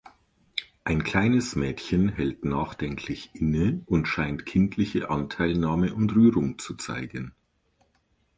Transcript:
Ein kleines Mädchen hält nachdenklich inne und scheint kindliche Anteilnahme und Rührung zu zeigen.